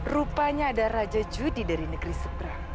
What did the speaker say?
rupanya ada raja judi dari negeri seberang